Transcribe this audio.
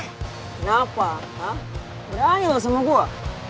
kenapa berani lo sama gue